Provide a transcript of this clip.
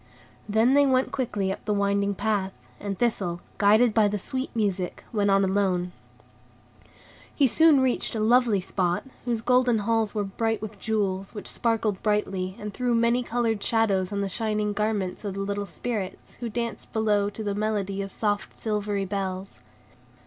Then they went quickly up the winding path, and Thistle, guided by the sweet music, went on alone. He soon reached a lovely spot, whose golden halls were bright with jewels, which sparkled brightly, and threw many colored shadows on the shining garments of the little Spirits, who danced below to the melody of soft, silvery bells.